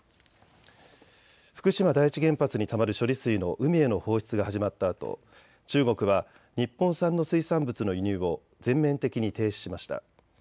福島第一原発にたまる処理水の海への放出が始まったあと中国は日本産の水産物の輸入を全面的に停止しました。